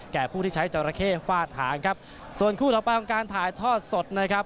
ผู้ที่ใช้จราเข้ฟาดหางครับส่วนคู่ต่อไปของการถ่ายทอดสดนะครับ